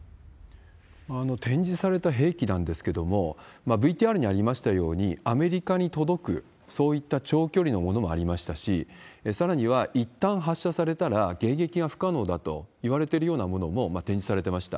展示された兵器なんですけれども、ＶＴＲにありましたように、アメリカに届く、そういった長距離のものもありましたし、さらには、いったん発射されたら迎撃が不可能だといわれてるようなものも展示されてました。